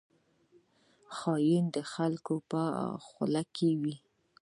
خاین د خلکو په خوله کې وي